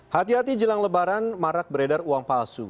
hati hati jelang lebaran marak beredar uang palsu